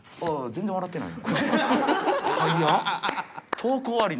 全然笑ってない。